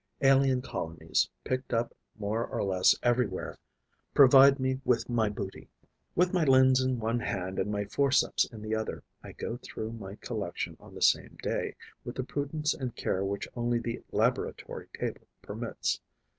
Alien colonies, picked up more or less everywhere, provide me with my booty. With my lens in one hand and my forceps in the other, I go through my collection on the same day, with the prudence and care which only the laboratory table permits.